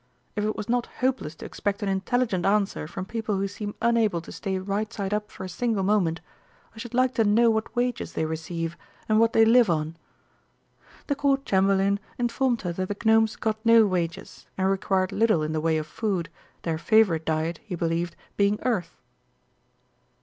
If it was not hopeless to expect an intelligent answer from people who seem unable to stay right side up for a single moment, I should like to know what wages they receive and what they live on." The Court Chamberlain informed her that the Gnomes got no wages and required little in the way of food, their favourite diet, he believed, being earth.